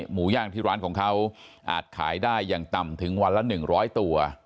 หมูย่างที่ร้านของเขาอาจขายได้อย่างต่ำถึงวันละ๑๐๐ตัว